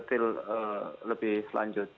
nanti kita akan lebih lanjut